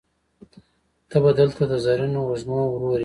ته به دلته د زرینو وږمو ورور یې